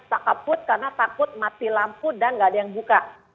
tak kaput karena takut mati lampu dan nggak ada yang buka